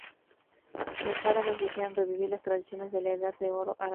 Los árabes desean revivir las tradiciones de la edad de oro árabe.